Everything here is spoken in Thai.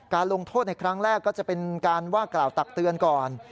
ลงโทษในครั้งแรกก็จะเป็นการว่ากล่าวตักเตือนก่อน